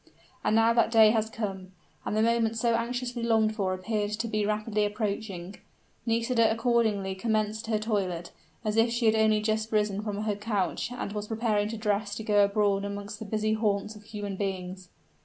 And now that day has come; and the moment so anxiously longed for appeared to be rapidly approaching. Nisida accordingly commenced her toilet, as if she had only just risen from her couch and was preparing to dress to go abroad amongst the busy haunts of human beings.